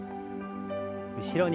後ろに。